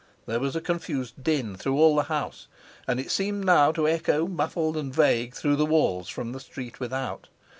There was a confused din through all the house, and it seemed now to echo muffled and vague through the walls from the street without.